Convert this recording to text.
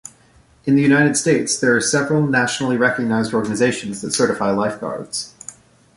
In the United States there are several nationally recognized organizations that certify lifeguards.